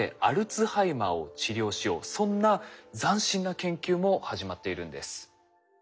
そんな斬新な研究も始まっているんです。